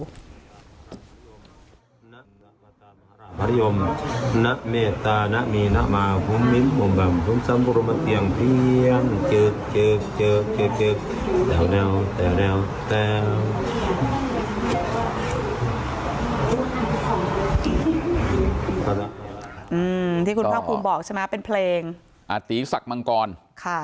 อืมที่คุณพ่อคุณบอกใช่ไหมเป็นเพลงอ่าตีสักมังกรค่ะ